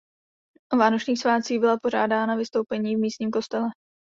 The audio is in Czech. O vánočních svátcích byla pořádána vystoupení v místním kostele.